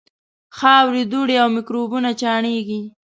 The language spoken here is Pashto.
خاورې، دوړې او میکروبونه چاڼېږي.